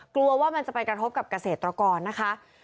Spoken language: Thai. กลัวว่ามันจะไปกระทบกับเกษตรกรนะคะ